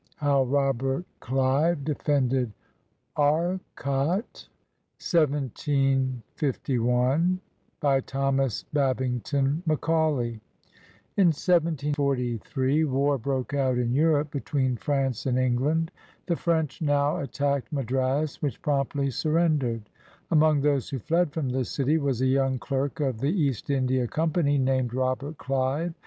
HOW ROBERT CLIVE DEFENDED ARCOT BY THOMAS BABINGTON MACAULAY [In 1743, war broke out in Europe between France and Eng land. The French now attacked Madras, which promptly surrendered. Among those who fled from the city was a young clerk of the East India Company named Robert Clive.